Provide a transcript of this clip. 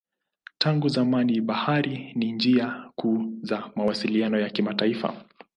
Tangu zamani bahari ni njia kuu za mawasiliano ya kimataifa.